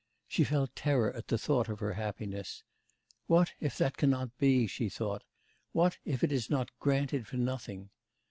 She felt terror at the thought of her happiness. 'What, if that cannot be?' she thought. 'What, if it is not granted for nothing?